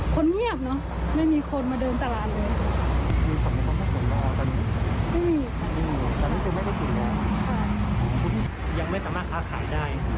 คนเมียบเนอะไม่มีคนมาเดินตระลานเลย